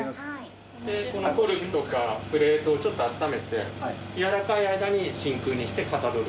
コルクとかプレートをちょっとあっためて柔らかい間に真空にして型取る。